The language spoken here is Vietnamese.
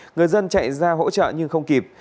người dân chạy ra hỗ trợ nhưng không kịp